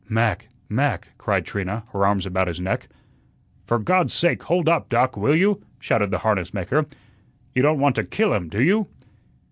"Mac, Mac," cried Trina, her arms about his neck. "For God's sake, hold up, Doc, will you?" shouted the harness maker. "You don't want to kill him, do you?"